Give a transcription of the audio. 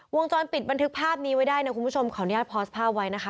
วงจรปิดบันทึกภาพนี้ไว้ได้นะคุณผู้ชมขออนุญาตพอสภาพไว้นะคะ